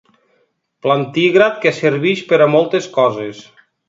Plantígrad que serveix per a moltes coses.